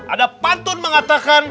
ada pantun mengatakan